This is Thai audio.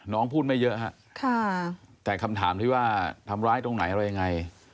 พูดไม่เยอะฮะแต่คำถามที่ว่าทำร้ายตรงไหนอะไรยังไง